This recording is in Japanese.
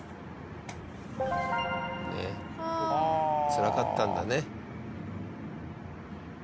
つらかったんだね。